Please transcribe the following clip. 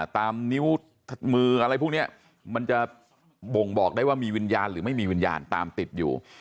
ตามนิ้วมืออะไรพวกนี้มันจะบ่งบอกได้ว่ามีวิญญาณหรือไม่มีวิญญาณตามติดอยู่